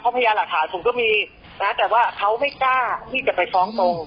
พยายามหลักฐานผมก็มีนะแต่ว่าเขาไม่กล้าที่จะไปฟ้องตรง